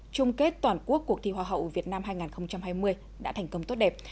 trung kết toàn quốc cuộc thi hoa hậu việt nam hai nghìn hai mươi đã thành công tốt đẹp